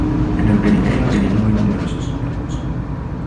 En el Pirineo son muy numerosos.